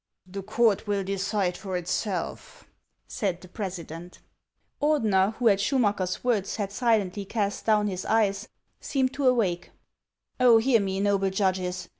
" The court will decide for itself," said the president. Ordener, who, at Schumacker's words, had silently cast down his eyes, seemed to awake :" Oh, hear me, noble judges